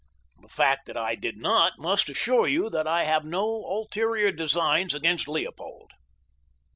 The fact that I did not, must assure you that I have no ulterior designs against Leopold."